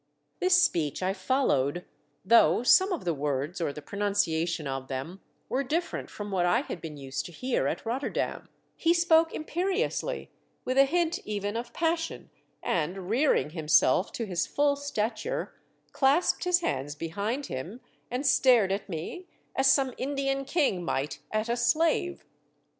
This speech I followed, though some of the words, or the pronunciation of them, were different from what I had been used to hear at Rotterdam. He spoke impe I AM RESCUED BY THE DEATH SHIP. 85 riously, with a hint even of passion, and, rearing himself to his full stature, clasped his hands behind him, and stared at me as some Indian King might at a slave.